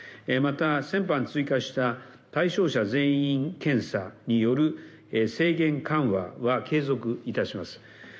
また、先般追加した対象者全員検査による制限緩和は継続いたします。